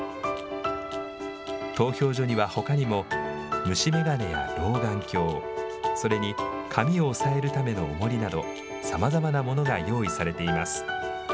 投票所にはほかにも、虫眼鏡や老眼鏡、それに紙を押さえるためのおもりなど、さまざまなものが用意されています。